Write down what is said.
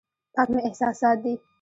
پاک مې احساسات دي.